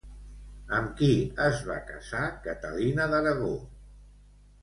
Amb qui es va casar Catalina d'Aragó?